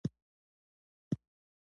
خور د ماشومانو زړونه خوشحالوي.